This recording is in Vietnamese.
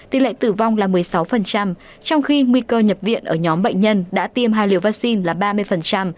tỷ lệ tử vong là một mươi sáu trong khi nguy cơ nhập viện ở nhóm bệnh nhân đã tiêm hai liều vaccine là ba mươi